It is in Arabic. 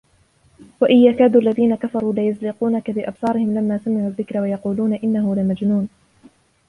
وَإِن يَكَادُ الَّذِينَ كَفَرُوا لَيُزْلِقُونَكَ بِأَبْصَارِهِمْ لَمَّا سَمِعُوا الذِّكْرَ وَيَقُولُونَ إِنَّهُ لَمَجْنُونٌ